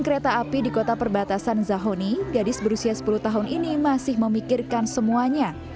kereta api di kota perbatasan zahoni gadis berusia sepuluh tahun ini masih memikirkan semuanya